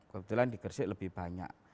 kebetulan di gersik lebih banyak